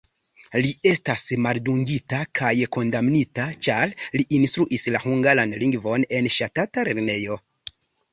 Li estis maldungita kaj kondamnita, ĉar li instruis la hungaran lingvon en ŝtata lernejo.